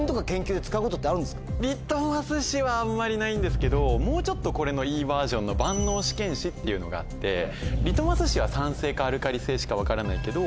リトマス紙はあんまりないんですけどもうちょっとこれのいいバージョンの万能試験紙っていうのがあってリトマス紙は酸性かアルカリ性しか分からないけど